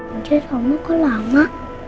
anjir sama aku lama